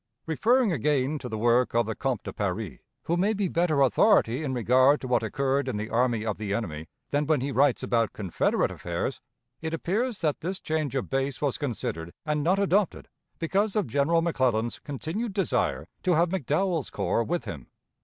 Referring, again, to the work of the Comte de Paris, who may be better authority in regard to what occurred in the army of the enemy than when he writes about Confederate affairs, it appears that this change of base was considered and not adopted because of General McClellan's continued desire to have McDowell's corps with him.